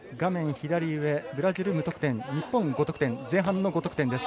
左上、ブラジル無得点日本５得点前半の５得点です。